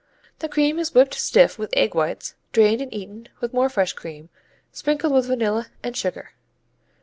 The cream is whipped stiff with egg whites, drained and eaten with more fresh cream, sprinkled with vanilla and sugar.